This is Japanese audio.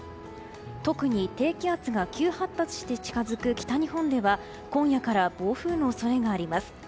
特に低気圧が急発達して近づく北日本では、今夜から暴風の恐れがあります。